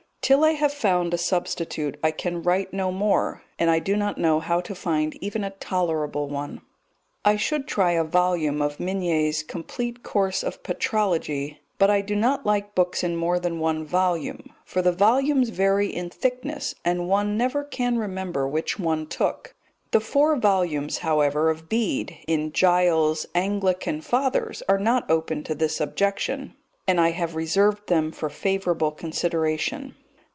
Till I have found a substitute I can write no more, and I do not know how to find even a tolerable one. I should try a volume of Migne's Complete Course of Patrology, but I do not like books in more than one volume, for the volumes vary in thickness, and one never can remember which one took; the four volumes, however, of Bede in Giles's Anglican Fathers are not open to this objection, and I have reserved them for favourable consideration.